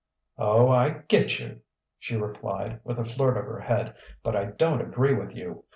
"Oh, I get you," she replied, with a flirt of her head, "but I don't agree with you.